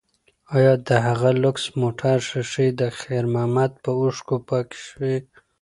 ایا د هغه لوکس موټر ښیښې د خیر محمد په اوښکو پاکې شوې؟